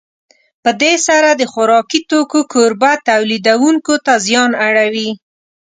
په دې سره د خوراکي توکو کوربه تولیدوونکو ته زیان اړوي.